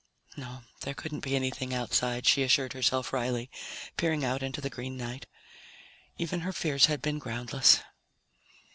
No, there couldn't be anything outside, she assured herself wryly, peering out into the green night. Even her fears had been groundless.